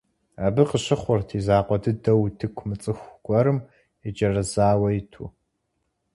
Абы къыщыхъурт и закъуэ дыдэу утыку мыцӀыху гуэрым иджэрэзауэ иту.